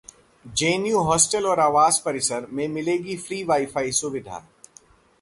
JNU hostel और आवास परिसर में मिलेगी फ्री वाई-फाई सुविधा